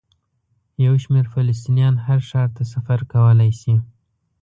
یو شمېر فلسطینیان هر ښار ته سفر کولی شي.